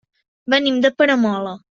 Venim de Peramola.